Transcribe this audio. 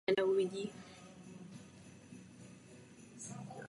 Kapitálové životní pojištění se skládá ze dvou částí.